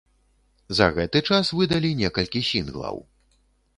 За гэты час выдалі некалькі сінглаў.